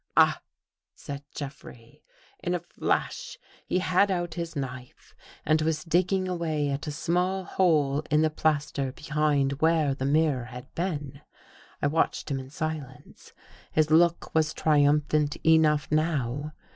"Ah! " said Jeffrey. In a flash he had out his knife and was digging away at a small hole in the plaster behind where the mirror had been. I watched him in silence. His look was trium phant enough now.